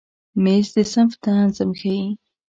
مېز د صنف نظم ښیي.